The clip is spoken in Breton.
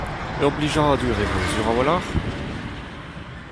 Ur blijadur e vo sur a-walc'h ?